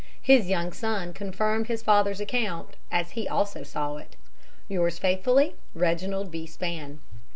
His young son confirmed his father's account, as he also saw it. "Yours faithfully, "REGINALD B. SPAN."